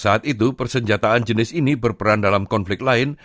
saat itu persenjataan jenis ini berperan dalam konflik lain